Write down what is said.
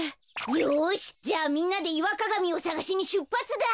よしじゃあみんなでイワカガミをさがしにしゅっぱつだ。